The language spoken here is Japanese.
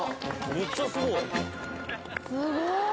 めっちゃすごい。